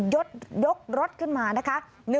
ยกรถขึ้นมานะคะ